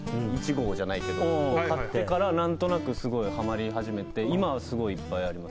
１号じゃないけど買ってから何となくすごいハマり始めて今はすごいいっぱいあります。